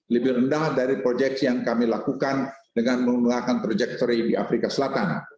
lebih rendah dari proyeksi yang kami lakukan dengan menggunakan projectory di afrika selatan